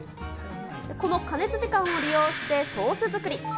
この加熱時間を利用して、ソース作り。